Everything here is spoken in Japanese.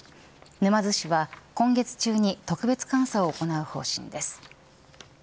沼津市は今月中に特別監査を行う方針です。